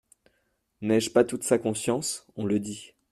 N'ai-je pas toute sa confiance ? On le dit.